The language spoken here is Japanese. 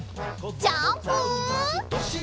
ジャンプ！